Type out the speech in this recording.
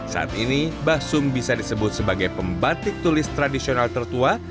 saat ini mbah sum bisa disebut sebagai pembatik tulis tradisional tertua